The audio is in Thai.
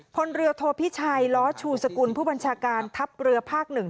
พลเรือโทพิชัยล้อชูสกุลผู้บัญชาการทัพเรือภาค๑